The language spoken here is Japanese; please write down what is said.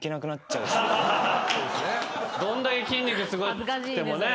どんだけ筋肉すごくてもね。